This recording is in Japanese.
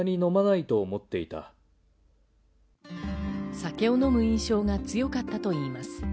酒を飲む印象が強かったといいます。